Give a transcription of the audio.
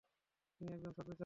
তিনি একজন সৎ বিচারক।